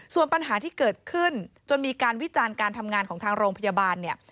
ส่วนปัญหาที่เกิดขึ้นจนมีการวิจารณ์การทำงานของทางโรงพยาบาลเนี่ย